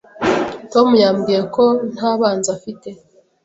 Tom yambwiye ko nta banzi afite.